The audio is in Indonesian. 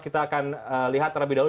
kita akan lihat terlebih dahulu